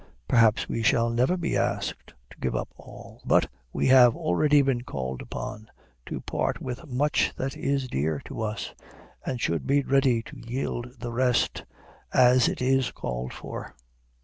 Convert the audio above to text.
Perhaps we shall never be asked to give up all, but we have already been called upon to part with much that is dear to us, and should be ready to yield the rest as it is called for.